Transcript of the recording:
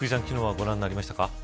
昨日は、ご覧になりましたか。